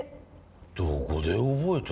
どこで覚えた？